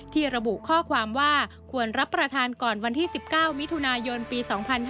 ระบุข้อความว่าควรรับประทานก่อนวันที่๑๙มิถุนายนปี๒๕๕๙